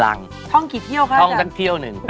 ท่องกี่เที่ยวครับอีกแล้วนะครับท่องตั้งเที่ยวหนึ่ง